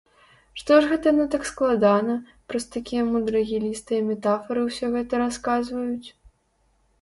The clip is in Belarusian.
Што ж гэта яны так складана, праз такія мудрагелістыя метафары ўсё гэта расказваюць?